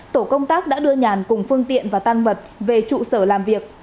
tổ công tác đã đưa nhàn cùng phương tiện và tan vật về trụ sở làm việc